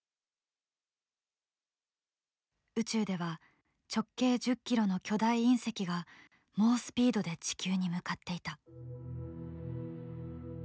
宇宙では直径１０ｋｍの巨大隕石が猛スピードで地球に向かっていた。